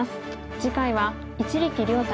次回は一力遼対